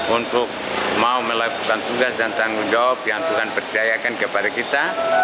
untuk mau melakukan tugas dan tanggung jawab yang tuhan percayakan kepada kita